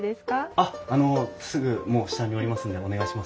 あっあのすぐもう下におりますんでお願いします。